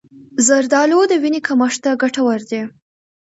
زردآلو د وینې کمښت ته ګټور دي.